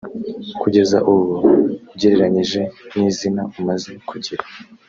kugeza ubu ugereranyije n’izina umaze kugira